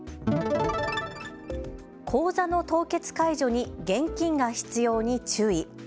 口座の凍結解除に現金が必要に注意。